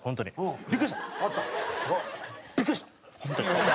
本当に。